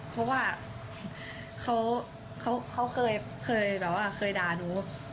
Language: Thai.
เพราะว่าเขาเคยด่านุ